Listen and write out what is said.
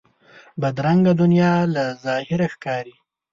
بدرنګه دنیا له ظاهره ښکاري